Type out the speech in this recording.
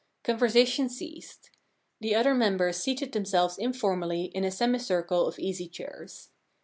Conversation ceased. The other members seated them selves informally in a semicircle of easy chairs.